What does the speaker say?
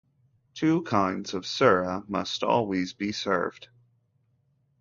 Two kinds of "sura" must always be served.